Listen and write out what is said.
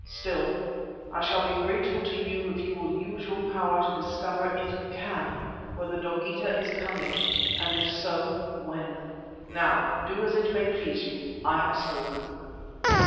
Still, I shall be grateful to you if you will use your power to discover, if you can, whether Dogeetah is coming here, and if so, when. Now, do as it may please you; I have spoken."